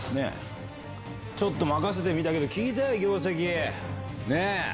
ちょっと任せてみたけど聞いたよ業績。ねぇ！